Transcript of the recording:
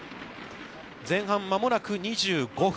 前半、間もなく２５分。